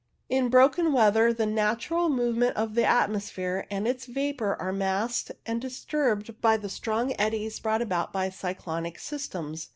In broken weather the natural movements of the atmosphere and of its vapour are masked and disturbed by the strong eddies brought by the cyclonic systems.